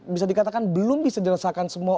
bisa dikatakan belum bisa dirasakan semua